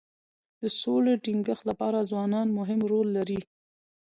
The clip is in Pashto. د سولي د ټینګښت لپاره ځوانان مهم رول لري.